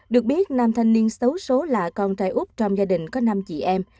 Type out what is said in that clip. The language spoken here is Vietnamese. được biết nam thanh niên xấu số là con trai úc trong gia đình có năm chị em